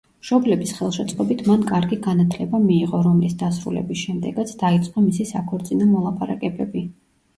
მშობლების ხელშეწყობით მან კარგი განათლება მიიღო, რომლის დასრულების შემდეგაც დაიწყო მისი საქორწინო მოლაპარაკებები.